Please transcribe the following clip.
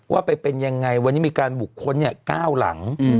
ว่าไปเป็นยังไงวันนี้มีการบุคคลเนี่ยก้าวหลัง